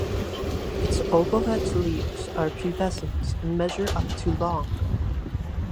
Its obovate leaves are pubescent and measure up to long.